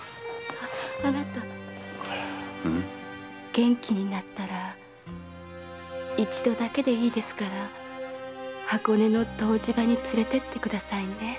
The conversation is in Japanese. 元気になったら一度だけでいいですから箱根の湯治場に連れてってくださいね。